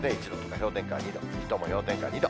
氷点下２度、水戸も氷点下２度。